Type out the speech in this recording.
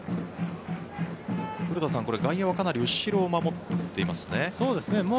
古田さん、外野はかなり後ろを守ってますね。